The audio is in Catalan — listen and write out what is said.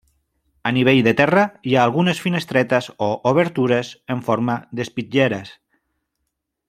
A nivell de terra hi ha algunes finestretes o obertures en forma d'espitlleres.